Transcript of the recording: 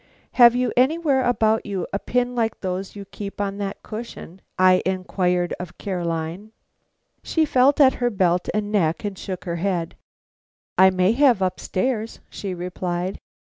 "Have you anywhere about you a pin like those you keep on that cushion?" I inquired of Caroline. She felt at her belt and neck and shook her head. "I may have upstairs," she replied.